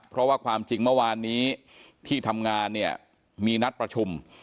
เพราะว่าความจริงเมื่อวานนี้ที่ทำงานเนี่ยมีนัดประชุม